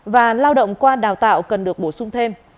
và lao động qua đào tạo cần được bổ sung thêm